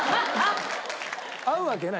会うわけない。